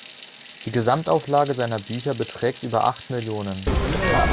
Die Gesamtauflage seiner Bücher beträgt über acht Millionen.